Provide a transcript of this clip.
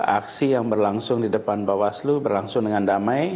aksi yang berlangsung di depan bawaslu berlangsung dengan damai